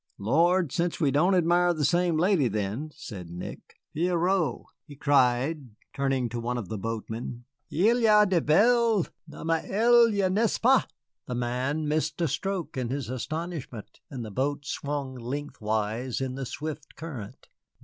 "Lord send we don't admire the same lady, then," said Nick. "Pierrot," he cried, turning to one of the boatmen, "il y a des belles demoiselles là, n'est ce pas?" The man missed a stroke in his astonishment, and the boat swung lengthwise in the swift current.